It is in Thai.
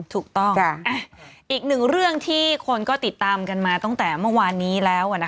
ถูกต้องอีกหนึ่งเรื่องที่คนก็ติดตามกันมาตั้งแต่เมื่อวานนี้แล้ว